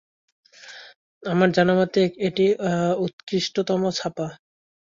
আমার জানা মতে এটি উৎকৃষ্টতম ছাপা।